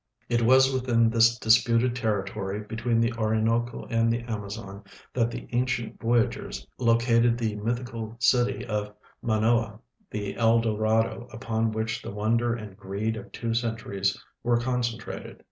It was within this disputed territory, between the Orinoco and the Amazon, that the ancient voyageurs located the mythical city of Manoah, the El Dorado upon which the wonder and greed of two centuries were concentrated.